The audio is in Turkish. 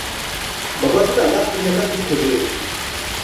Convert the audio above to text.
Babası da laf dinlemez bir koca yörüktü.